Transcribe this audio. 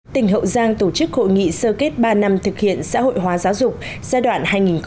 tỉnh hậu giang tổ chức hội nghị sơ kết ba năm thực hiện xã hội hóa giáo dục giai đoạn hai nghìn một mươi sáu hai nghìn hai mươi